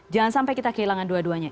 jangan sampai kita kehilangan dua duanya